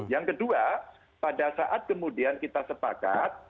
yang kedua pada saat kemudian kita sepakat